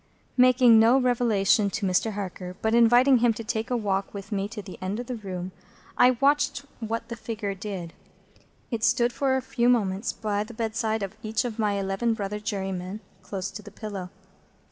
Making no revelation to Mr. Harker, but inviting him to take a walk with me to the end of the room, I watched what the figure did. It stood for a few moments by the bedside of each of my eleven brother jurymen, close to the pillow.